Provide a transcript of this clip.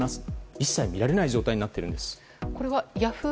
一切、見られない状態になっているんです。